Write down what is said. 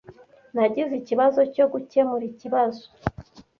Nagize ikibazo cyo gukemura ikibazo.